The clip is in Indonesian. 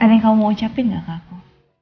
ada yang kamu mau ucapin nggak ke aku